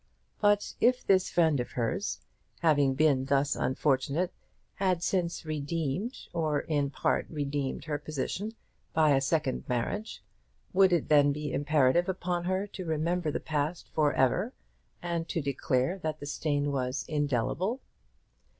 But if this friend of hers, having been thus unfortunate, had since redeemed, or in part redeemed, her position by a second marriage, would it be then imperative upon her to remember the past for ever, and to declare that the stain was indelible?